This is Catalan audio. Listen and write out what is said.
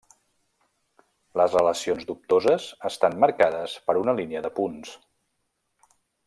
Les relacions dubtoses estan marcades per una línia de punts.